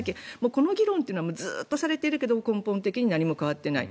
この議論というのはずっとされているけど根本的に何も変わってない。